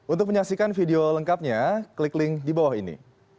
untuk menyaksikan video lengkapnya klik link di bawah ini